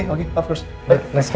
oke ya tentu saja